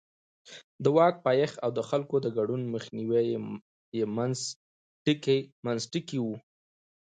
د واک پایښت او د خلکو د ګډون مخنیوی یې منځ ټکی و.